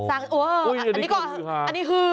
อันนี้ฮือหาอันนี้ฮือฟร์